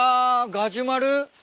ガジュマル？